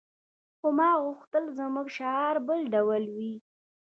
خو ما غوښتل زموږ شعار بل ډول وي